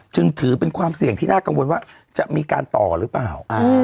จึงถือเป็นความเสี่ยงที่น่ากังวลว่าจะมีการต่อหรือเปล่า